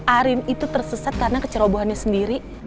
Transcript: arin itu tersesat karena kecerobohannya sendiri